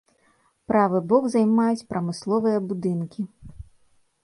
Правы бок займаюць прамысловыя будынкі.